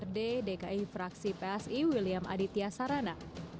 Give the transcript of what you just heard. dprd dki fraksi psi william aditya sarana